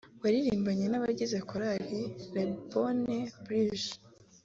wanaririmbanye n’abagize Chorale Le Bon Berger